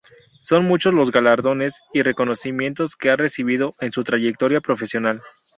Son muchos los galardones y reconocimientos que ha recibido en su trayectoria profesional.